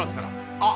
あっ！